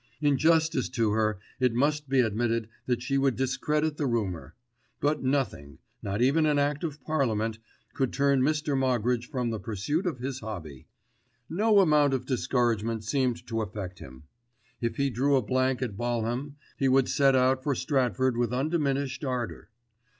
In justice to her it must be admitted that she would discredit the rumour; but nothing, not even an Act of Parliament, could turn Mr. Moggridge from the pursuit of his hobby. No amount of discouragement seemed to affect him. If he drew a blank at Balham, he would set out for Stratford with undiminished ardour.